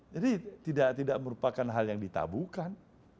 jadi tidak merupakan hal yang ditabuhkan